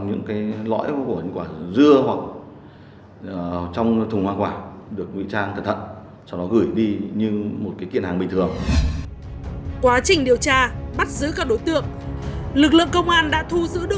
lực lượng công an đã thu giữ được một bánh tráng